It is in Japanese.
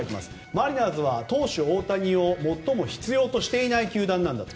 マリナーズは投手・大谷を最も必要としていない球団なんだと。